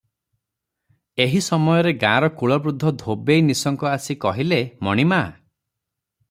ଏହି ସମୟରେ ଗାଁର କୁଳବୃଦ୍ଧ ଧୋବେଇ ନିଶଙ୍କ ଆସି କହିଲେ "ମଣିମା!